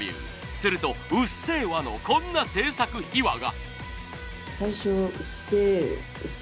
すると『うっせぇわ』のこんな制作秘話が。